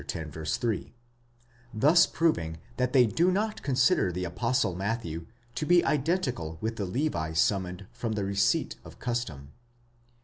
3); thus proving that they do not consider the Apostle Matthew to be identical with the Levi summoned from the receipt of custom.